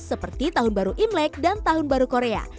seperti tahun baru imlek dan tahun baru korea